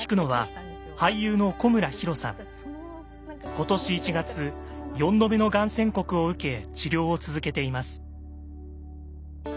今年１月４度目のがん宣告を受け治療を続けています。